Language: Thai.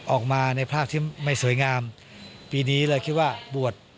ออกมาในภาพที่ไม่สวยงามปีนี้เลยคิดว่าบวช